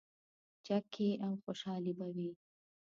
چکې او خوشحالي به وه.